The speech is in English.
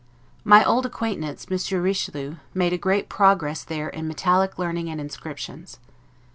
My old acquaintance, Monsieur Richelieu, made a great progress there in metallic learning and inscriptions.